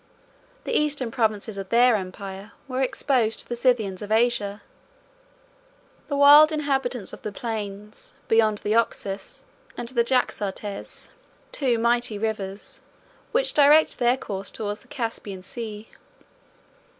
The eastern provinces of their empire were exposed to the Scythians of Asia; the wild inhabitants of the plains beyond the Oxus and the Jaxartes, two mighty rivers, which direct their course towards the Caspian Sea.